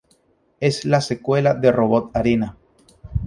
Es la secuela de Robot Arena.